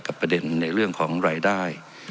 ประเด็นในเรื่องของรายได้